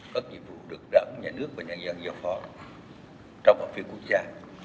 các nhiệm vụ được đảng nhà nước và nhân dân giao phó trong và phía quốc gia